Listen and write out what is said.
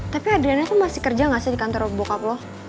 tapi adrena tuh masih kerja gak sih di kantor bokap lo